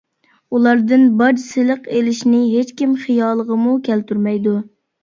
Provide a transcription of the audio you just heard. ئۇلاردىن باج-سېلىق ئېلىشنى ھېچكىم خىيالىغىمۇ كەلتۈرمەيدۇ.